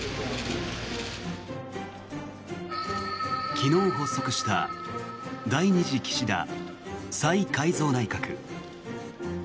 昨日発足した第２次岸田再改造内閣。